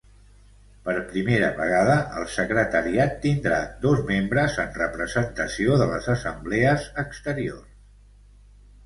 Per primera vegada, el secretariat tindrà dos membres en representació de les assemblees exteriors.